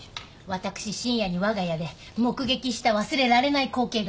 私深夜にわが家で目撃した忘れられない光景があるのですが。